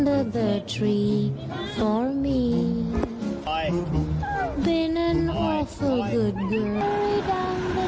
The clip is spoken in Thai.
โอ้โหคุณสวยน่ะ